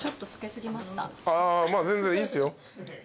全然いいっすよ。